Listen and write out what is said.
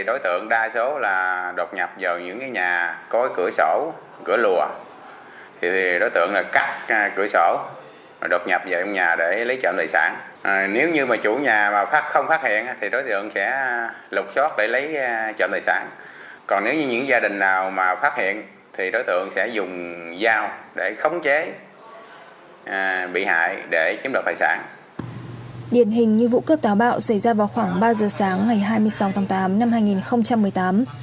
điển hình như vụ cướp táo bạo xảy ra vào khoảng ba giờ sáng ngày hai mươi sáu tháng tám năm hai nghìn một mươi tám